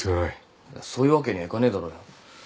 いやそういうわけにはいかねえだろうよ。